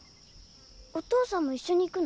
お父さんも一緒に行くの？